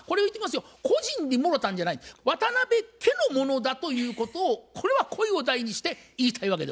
個人にもろたんじゃない渡辺家のものだということをこれは声を大にして言いたいわけでございます。